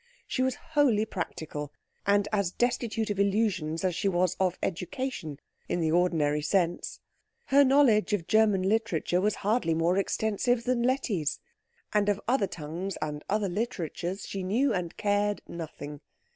She was wholly practical, and as destitute of illusions as she was of education in the ordinary sense. Her knowledge of German literature was hardly more extensive than Letty's, and of other tongues and other literatures she knew and cared nothing.